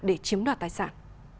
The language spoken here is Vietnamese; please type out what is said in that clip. để chiếm đoạt tài sản